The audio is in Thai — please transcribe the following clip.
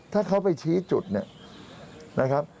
ถ้าเค้าไปชี้จุดเนี่ย